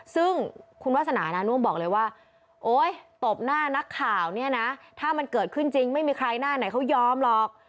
ซึ่งคุณวาสนานะน่วมบอกเลยว่าโอ๊ยตบหน้านักข่าวเนี่ยนะถ้ามันเกิดขึ้นจริงไม่มีใครหน้าไหนเขายอมหรอก